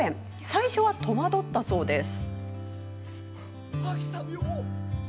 最初は、とまどったそうです。